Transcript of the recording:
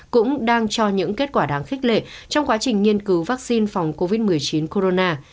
cũng đang cho những kết quả đáng khích lệ trong quá trình nghiên cứu vaccine phòng covid một mươi chín corona